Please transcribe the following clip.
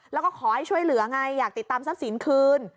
แล้วก็ขอให้ช่วยเหลือไงอยากติดตามทรัพย์สินคืน